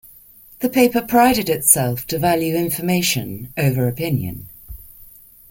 The paper prided itself to value information over opinion.